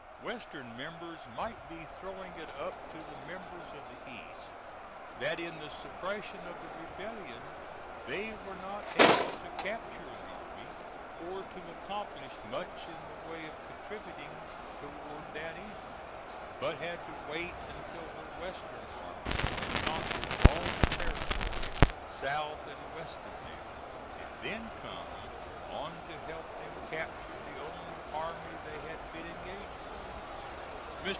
Western members might be throwing it up to the members of the East that in the suppression of the rebellion they were not able to capture an army, or to accomplish much in the way of contributing toward that end, but had to wait until the Western armies had conquered all the territory south and west of them, and then come on to help them capture the only army they had been engaged with.